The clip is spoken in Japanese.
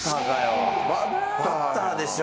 バッターでしょ。